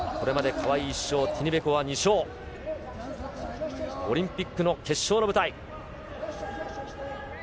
これまで川井１勝、ティニベコワ２勝、オリンピックの決勝の舞台。